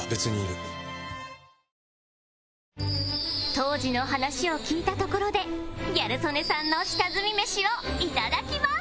当時の話を聞いたところでギャル曽根さんの下積みメシを頂きます